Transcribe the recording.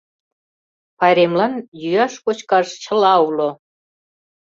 Пайремлан йӱаш-кочкаш чыла уло.